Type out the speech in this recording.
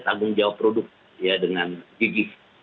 tanggung jawab produk ya dengan gigih